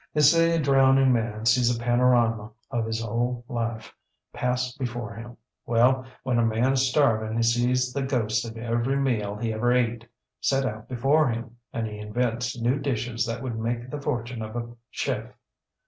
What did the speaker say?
ŌĆ£They say a drowning man sees a panorama of his whole life pass before him. Well, when a manŌĆÖs starving he sees the ghost of every meal he ever ate set out before him, and he invents new dishes that would make the fortune of a chef.